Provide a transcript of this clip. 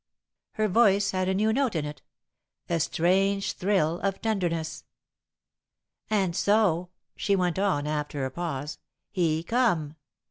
'" Her voice had a new note in it a strange thrill of tenderness. "And so," she went on, after a pause, "he come.